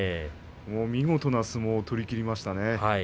見事な相撲を取りきりましたね。